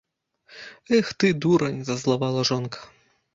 - Эх ты, дурань! - зазлавала жонка